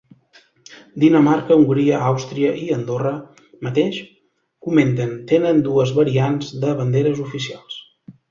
Dinamarca, Hongria, Àustria i Andorra mateix, comenten, tenen dues variants de banderes oficials.